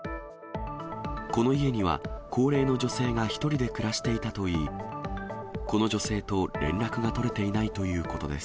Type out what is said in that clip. この家には高齢の女性が１人で暮らしていたといい、この女性と連絡が取れていないということです。